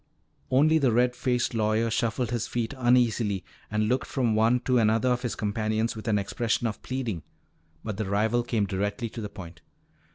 Only the red faced lawyer shuffled his feet uneasily and looked from one to another of his companions with an expression of pleading. But the rival came directly to the point.